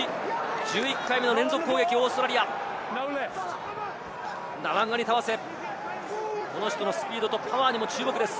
１１回目の連続攻撃をオーストラリア、ナワンガニタワセ、この人のスピードとパワーにも注目です。